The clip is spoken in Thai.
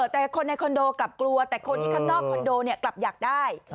แต่คนในคอนโดกลับกลัวแต่คนที่ข้างนอกคอนโดกลับอยากได้